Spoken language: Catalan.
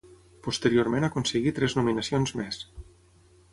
Posteriorment aconseguí tres nominacions més.